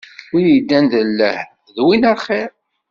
Wi iddan d lleh, d win axiṛ.